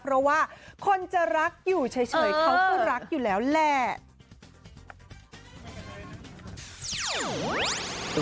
เพราะว่าคนจะรักอยู่เฉยเขาก็รักอยู่แล้วแหละ